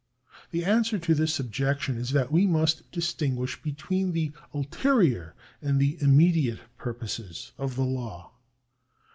The answer to this objection is that we must distinguish between the ulterior and the immediate purposes of the law.